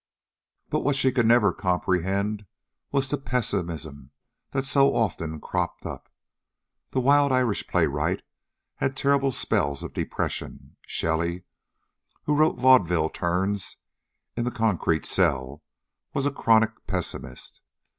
But what she could never comprehend was the pessimism that so often cropped up. The wild Irish playwright had terrible spells of depression. Shelley, who wrote vaudeville turns in the concrete cell, was a chronic pessimist.